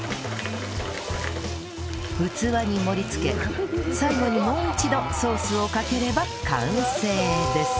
器に盛り付け最後にもう一度ソースをかければ完成です